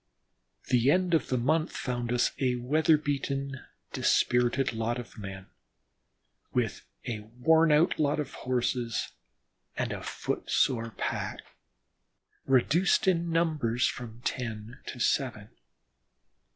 The end of the month found us a weather beaten, dispirited lot of men, with a worn out lot of Horses, and a foot sore pack, reduced in numbers from ten to seven.